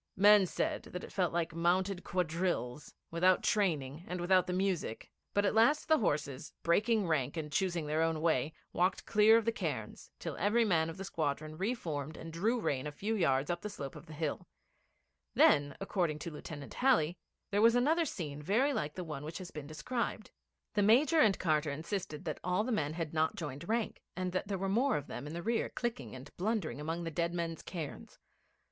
Men said that it felt like mounted quadrilles without training and without the music; but at last the horses, breaking rank and choosing their own way, walked clear of the cairns, till every man of the squadron re formed and drew rein a few yards up the slope of the hill. Then, according to Lieutenant Halley, there was another scene very like the one which has been described. The Major and Carter insisted that all the men had not joined rank, and that there were more of them in the rear clicking and blundering among the dead men's cairns.